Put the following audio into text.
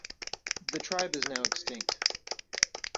The tribe is now extinct.